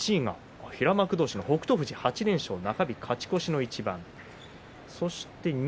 平幕同士の北勝富士８連勝中で勝ち越しの一番です。